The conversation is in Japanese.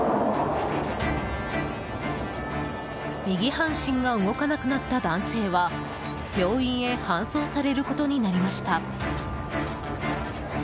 右半身が動かなくなった男性は病院へ搬送されることになりました。